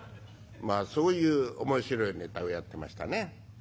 まあそういう面白いネタをやってましたね。